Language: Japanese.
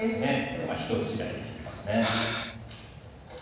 これ一口大で切りますね。